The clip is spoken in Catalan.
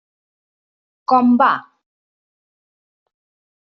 Com va?